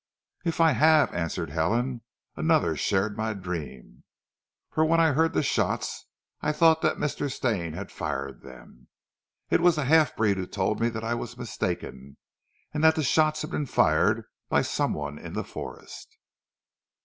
"If I have," answered Helen, "another shared my dream. For when I heard the shots I thought that Mr. Stane had fired them; it was the half breed who told me that I was mistaken, and that the shots had been fired by some one in the forest."